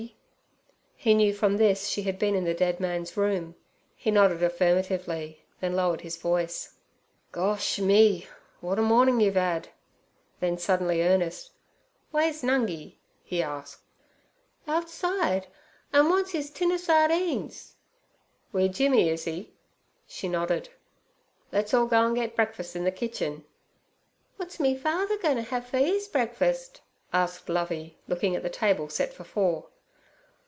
He knew from this she had been in the dead man's room. He nodded affirmatively, then lowered his voice: 'Gosh me! w'at a mornin' you've 'ad!' Then, suddenly earnest, 'Way's Nungi?' he asked. 'Outside, an' wants 'is tin o' sardines.' 'Wi' Jimmy, is 'e?' She nodded. 'Le's all go an' get breakfuss in ther kitchen.' 'W'at's me father goin't' have for ees breakfuss?' asked Lovey, looking at the table set for four.